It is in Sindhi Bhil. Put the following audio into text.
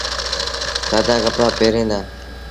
سآدآ ڪپڙآ پهريٚݩ دآ۔